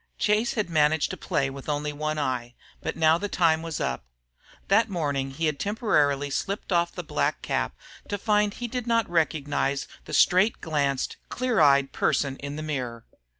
Chase had managed to play with only one eye, but now the time was up. That morning he had temporarily slipped off the black cap to find he did not recognize the straight glanced, clear eyed person in the mirror.